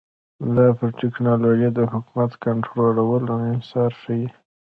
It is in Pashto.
دا پر ټکنالوژۍ د حکومت کنټرول او انحصار ښيي